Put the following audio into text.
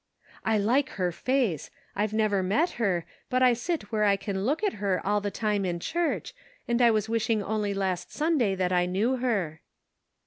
"I like her face. I've never met her, but I sit where I can look at her all the time in church, and I was wishing only last Sunday that I knew her."